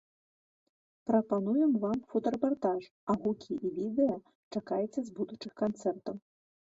Прапануем вам фотарэпартаж, а гукі і відэа чакайце з будучых канцэртаў!